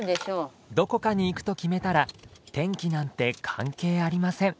どこかに行くと決めたら天気なんて関係ありません。